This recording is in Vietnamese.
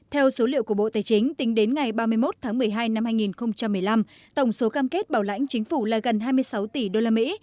theo số liệu của bộ tài chính tính đến ngày ba mươi một tháng một mươi hai năm hai nghìn một mươi năm tổng số cam kết bảo lãnh chính phủ là gần hai mươi sáu tỷ đô la mỹ